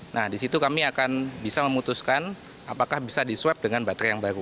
nah disitu kami akan bisa memutuskan apakah bisa di swab dengan baterai yang baru